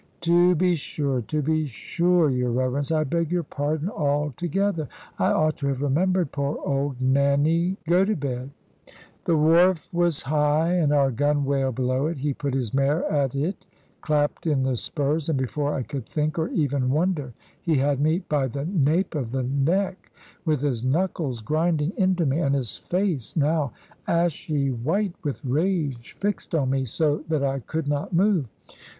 "To be sure, to be sure, your Reverence; I beg your pardon altogether. I ought to have remembered poor old Nanny Gotobed." The wharf was high, and our gunwale below it; he put his mare at it, clapped in the spurs, and before I could think or even wonder, he had me by the nape of the neck, with his knuckles grinding into me, and his face, now ashy white with rage, fixed on me, so that I could not move.